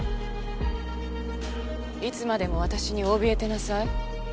いつまでも私に怯えてなさい。